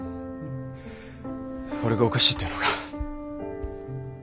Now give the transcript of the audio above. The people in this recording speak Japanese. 俺がおかしいって言うのか。